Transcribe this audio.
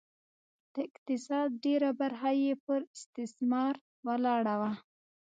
د اقتصاد ډېره برخه یې پر استثمار ولاړه وه